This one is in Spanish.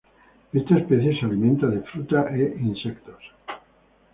Esta especie se alimenta de fruta e insectos.